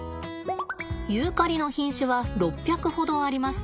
ユーカリの品種は６００ほどあります。